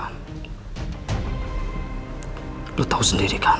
anda tahu sendiri kan